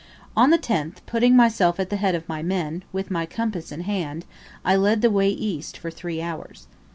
On the 10th, putting myself at the head of my men, with my compass in hand, I led the way east for three hours.